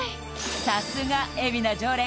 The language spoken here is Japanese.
さすが海老名常連